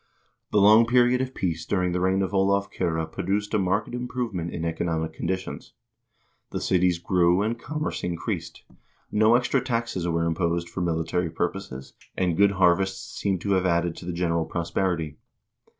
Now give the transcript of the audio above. The long period of peace during the reign of Olav Kyrre produced a marked improvement in economic conditions. The cities grew, and commerce increased ; no extra taxes were imposed for military purposes, and good harvests seem to have added to the general pros perity.